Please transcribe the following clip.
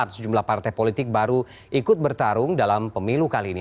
sejumlah partai politik baru ikut bertarung dalam pemilu kali ini